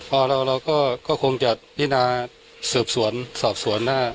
พอแล้วเราก็คงจะนินาสอบสวน